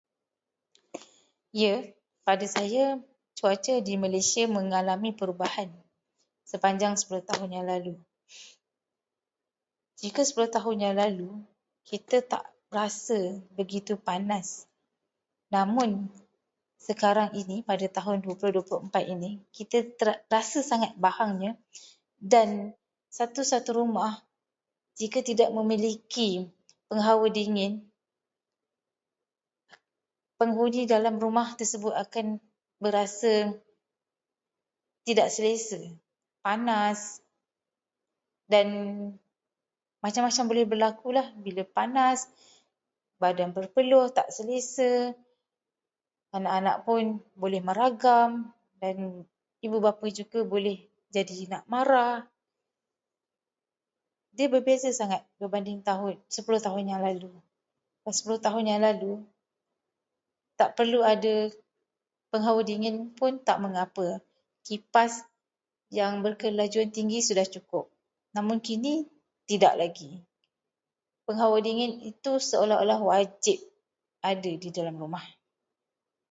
Ya, pada saya, cuaca di Malaysia mengalami perubahan sepanjang sepuluh tahun yang lalu. Jika sepuluh tahun yang lalu, kita tak rasa begitu panas. Namun, sekarang ini pada tahun dua puluh dua puluh empat ini, kita ter- rasa sangat bahangnya, dan satu-satu rumah, jika tidak memiliki penghawa dingin, penghuni dalam rumah tersebut akan berasa tidak selesa, panas, dan macam-macam boleh berlakulah. Bila panas, badan berpeluh, tak selesa, anak-anak pun boleh meragam, dan ibu bapa juga boleh jadi nak marah. Dia berbeza sangat berbanding tahun- sepuluh tahun yang lalu. Kalau sepuluh tahun yang lalu, tak perlu ada penghawa dingin pun tak mengapa. Kipas yang berkelajuan tinggi sudah cukup. Namun kini, sudah tidak lagi. Penghawa dingin itu seolah-olah wajib ada di dalam rumah.